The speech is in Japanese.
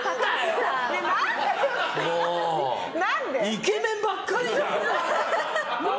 イケメンばっかりじゃん！